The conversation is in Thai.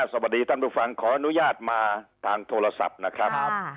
สวัสดีท่านผู้ฟังขออนุญาตมาทางโทรศัพท์นะครับ